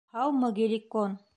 Һаумы, Геликон.